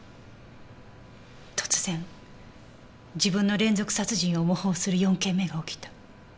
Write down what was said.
突然自分の連続殺人を模倣する４件目が起きた。